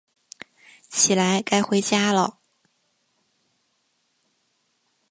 起来，该回家了